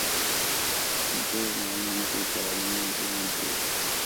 جز نام نہیں صورت عالم مجھے منظور